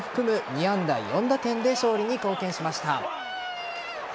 ２安打４打点で勝利に貢献しました。